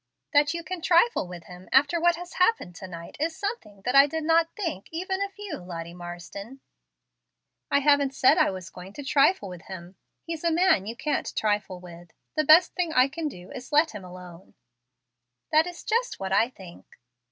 "That you can trifle with him after what has happened to night is something that I did not think, even of you, Lottie Marsden." "I haven't said I was going to 'trifle with him.' He's a man you can't trifle with. The best thing I can do is to let him alone." "That is just what I think."